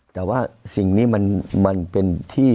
แต่ว่าสิ่งนี้มันเป็นที่